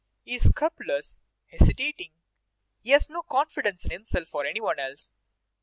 He is scrupulous, hesitating; he has no confidence in himself or any one else.